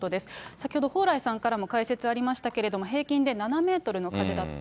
先ほど蓬莱さんからも解説ありましたけれども、平均で７メートルの風だった。